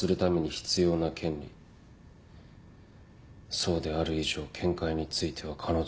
そうである以上見解については彼女。